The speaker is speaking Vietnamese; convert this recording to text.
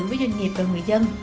với doanh nghiệp và người dân